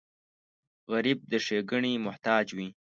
غریب د ښېګڼې محتاج وي